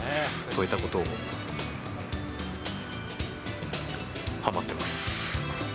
そういったことにはまってます。